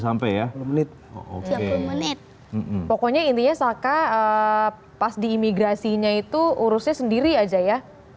sampai ya menit satu menit pokoknya intinya saka pas di imigrasinya itu urusnya sendiri aja ya